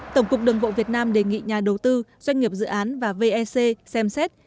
tổng cục đường bộ việt nam đề nghị nhà đầu tư doanh nghiệp dự án và vec xem xét